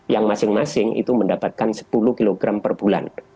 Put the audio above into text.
yang masing masing itu mendapatkan sepuluh kg per bulan